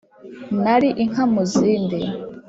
Nali inka mu zindi